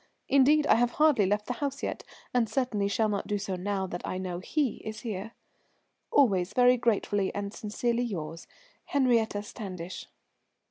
Indeed, I have hardly left the house yet, and certainly shall not do so now that I know he is here. "Always very gratefully and sincerely yours, "HENRIETTE STANDISH."